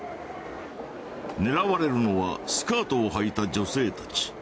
狙われるのはスカートをはいた女性たち。